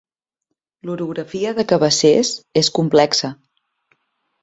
L'orografia de Cabassers és complexa.